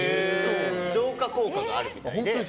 浄化効果があるみたいで。